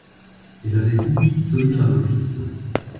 Elle avait ouï sonner à l'office.